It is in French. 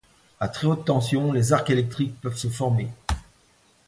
A très haute tension, des arcs électriques peuvent se former.